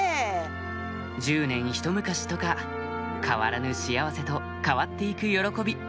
１０年ひと昔とか変わらぬ幸せと変わって行く喜び